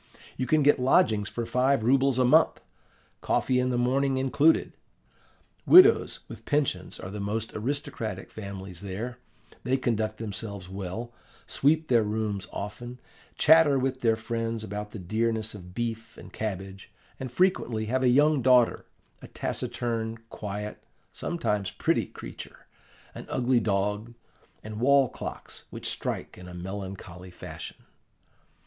You can get lodgings for five rubles a month, coffee in the morning included. Widows with pensions are the most aristocratic families there; they conduct themselves well, sweep their rooms often, chatter with their friends about the dearness of beef and cabbage, and frequently have a young daughter, a taciturn, quiet, sometimes pretty creature; an ugly dog, and wall clocks which strike in a melancholy fashion.